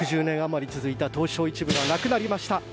６０年あまり続いた東証１部がなくなりました。